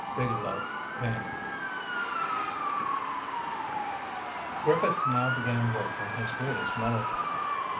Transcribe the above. XVII "WAY DOWN EAST" Griffith now began work on his greatest melodrama.